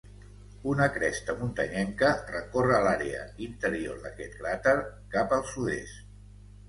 Una cresta muntanyenca recorre l'àrea interior d'aquest cràter cap al sud-est.